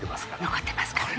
残ってますからね。